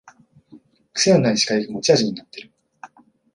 くせのない司会が持ち味になってる